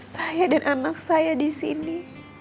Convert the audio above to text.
saya dan anak saya disini